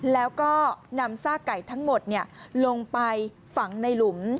แล้วก็นำซากไก่ทั้งหมดลงไปฝังในหลุม